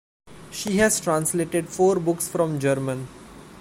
She has translated four books from German.